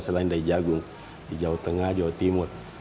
selain dari jagung di jawa tengah jawa timur